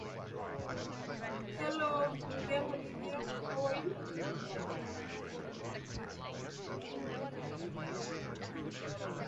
It is known for the Popigay River and Popigay crater.